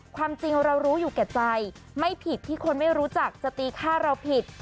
ความจริงเรารู้อยู่แก่ใจไม่ผิดที่คนไม่รู้จักจะตีฆ่าเราผิด